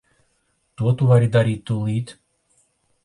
To tu vari darīt tūlīt.